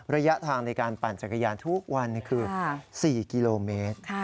ระยะทางในการปั่นจักรยานทุกวันคือ๔กิโลเมตร